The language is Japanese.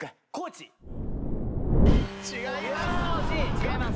違います。